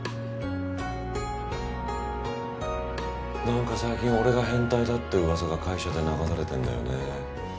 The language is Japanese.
何か最近俺が変態だって噂が会社で流されてんだよね。